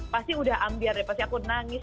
pasti udah ambiar deh pasti aku nangis